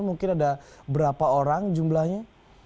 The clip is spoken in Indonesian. mungkin ada berapa orang jumlahnya